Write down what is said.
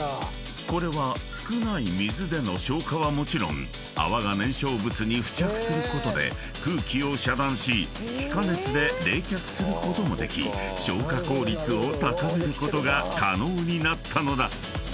［これは少ない水での消火はもちろん泡が燃焼物に付着することで空気を遮断し気化熱で冷却することもでき消火効率を高めることが可能になったのだ］